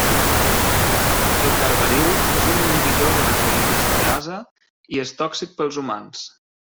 El carbaril és un inhibidor de la colinesterasa i és tòxic pels humans.